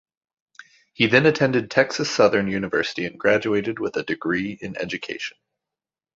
He then attended Texas Southern University and graduated with a degree in education.